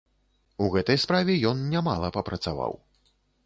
У гэтай справе ён нямала папрацаваў.